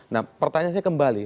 nah pertanyaannya kembali